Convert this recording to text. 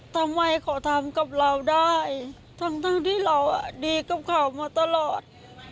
ทำไมเขาทำกับเราได้ทั้งที่เราดีกับเขามาตลอด